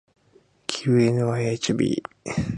きう ｎｙｈｂ